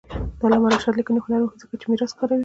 د علامه رشاد لیکنی هنر مهم دی ځکه چې میراث کاروي.